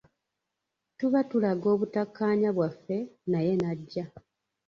Tuba tulaga obutakkaanya bwaffe naye n’ajja.